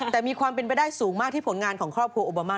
แต่มีความเป็นไปได้สูงมากที่ผลงานของครอบครัวโอบามา